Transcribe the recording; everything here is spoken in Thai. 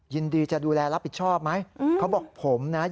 ยินดีจะดูแลรับผิดชอบไหม